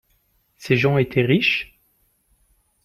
Ces gens étaient riches ?